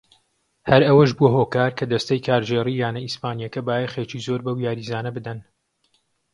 هەر ئەوەش بووە هۆکار کە دەستەی کارگێڕیی یانە ئیسپانییەکە بایەخێکی زۆر بەو یاریزانە بدەن.